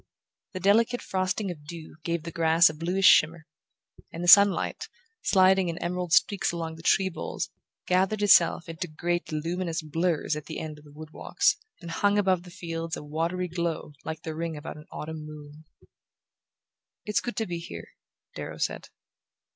The delicate frosting of dew gave the grass a bluish shimmer, and the sunlight, sliding in emerald streaks along the tree boles, gathered itself into great luminous blurs at the end of the wood walks, and hung above the fields a watery glory like the ring about an autumn moon. "It's good to be here," Darrow said.